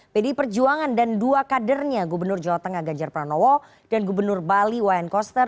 pdi perjuangan dan dua kadernya gubernur jawa tengah ganjar pranowo dan gubernur bali wayan koster